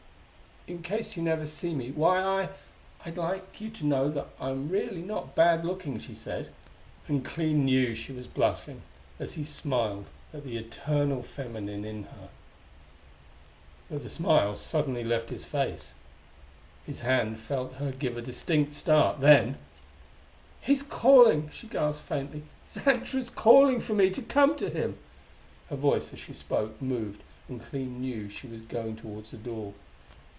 "In case you never see me why, I I'd like you to know that I'm really, not bad looking," she said; and Clee knew she was blushing as he smiled at the eternal feminine in her. But the smile suddenly left his face. His hand had felt her give a distinct start. Then "He's calling!" she gasped faintly. "Xantra's calling for me to come to him!" Her voice, as she spoke, moved, and Clee knew she was going towards the door.